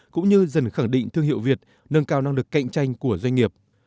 cũng như dần khẳng định thương hiệu việt nâng cao năng lực cạnh tranh của doanh nghiệp